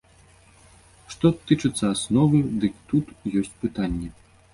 Што тычыцца асновы, дык тут ёсць пытанні.